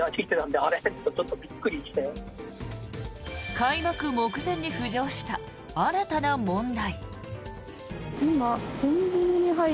開幕目前に浮上した新たな問題。